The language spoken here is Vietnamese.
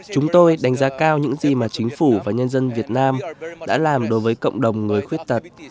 chúng tôi đánh giá cao những gì mà chính phủ và nhân dân việt nam đã làm đối với cộng đồng người khuyết tật